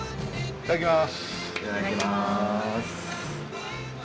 いただきます！